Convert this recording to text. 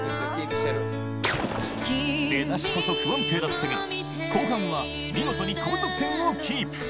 出だしこそ不安定だったが後半は見事に高得点をキープ